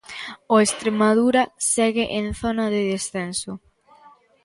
O Estremadura segue en zona de descenso.